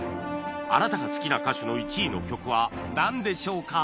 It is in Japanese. あなたが好きな歌手の１位の曲はなんでしょうか？